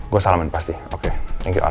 gue salamin pasti oke thank you out